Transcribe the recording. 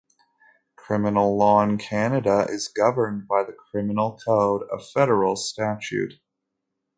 Criminal law in Canada is governed by the Criminal Code, a federal statute.